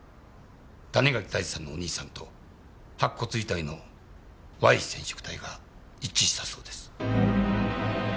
谷垣泰治さんのお兄さんと白骨遺体のＹ染色体が一致したそうです。